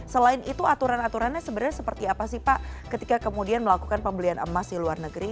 selain itu aturan aturannya sebenarnya seperti apa sih pak ketika kemudian melakukan pembelian emas di luar negeri